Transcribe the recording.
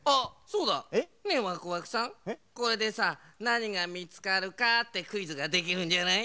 これでさなにがみつかるか？ってクイズができるんじゃない？